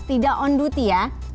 tidak on duty ya